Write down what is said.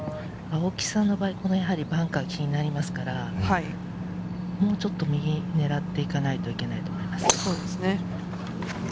青木さんの場合はバンカーが気になりますから、もうちょっと右を狙っていかないと、と思います。